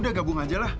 udah gabung aja lah